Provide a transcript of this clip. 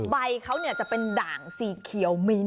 ใบเขาจะเป็นด่างสีเขียวมิ้น